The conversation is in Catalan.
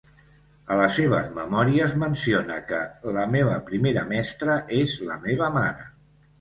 A les seves memòries menciona que "la meva primera mestra és la meva mare".